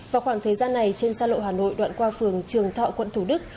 vào khoảng thời gian này trên xa lộ hà nội đoạn qua phường trường thọ quận thủ đức